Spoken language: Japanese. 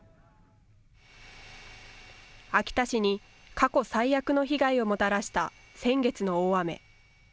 秋田市に過去最悪の被害をもたらした先月の大雨。